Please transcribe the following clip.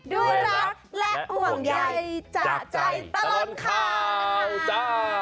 ด้วยรักและอ่วงใยจากใจตลกค่ะ